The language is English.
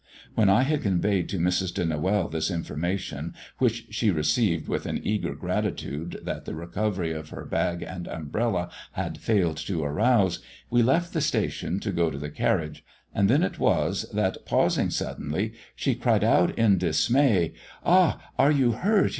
When I had conveyed to Mrs. de Noël this information, which she received with an eager gratitude that the recovery of her bag and umbrella had failed to rouse, we left the station to go to the carriage, and then it was that, pausing suddenly, she cried out in dismay "Ah, you are hurt!